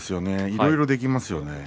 いろいろできますよね